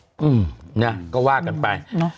อืมนี่ก็ว่ากันไป